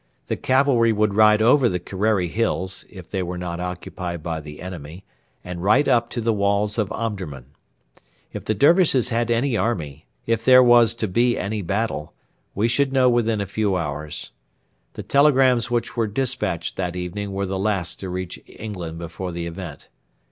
The cavalry would ride over the Kerreri Hills, if they were not occupied by the enemy, and right up to the walls of Omdurman. If the Dervishes had any army if there was to be any battle we should know within a few hours. The telegrams which were despatched that evening were the last to reach England before the event.